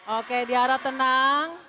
oke di arah tenang